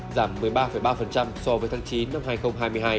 giảm một mươi ba ba so với tháng chín năm hai nghìn hai mươi hai